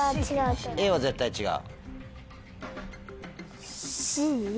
Ａは絶対違う？